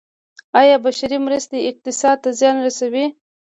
آیا بشري مرستې اقتصاد ته زیان رسوي؟